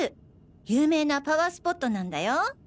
有名なパワースポットなんだよ。